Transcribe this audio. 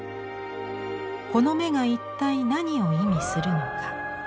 この眼が一体何を意味するのか。